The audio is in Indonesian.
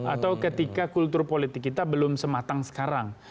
atau ketika kultur politik kita belum sematang sekarang